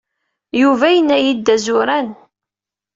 Yuba yenna-iyi-d a azuran.